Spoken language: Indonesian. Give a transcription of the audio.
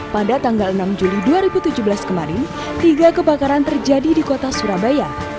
pada tanggal enam juli dua ribu tujuh belas kemarin tiga kebakaran terjadi di kota surabaya